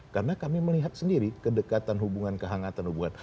karena kami melihat sendiri kedekatan hubungan kehangatan hubungan